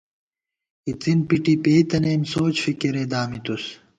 اِڅِن پِٹی پېئ تنَئیم، سوچ فِکِرے دامِتُوس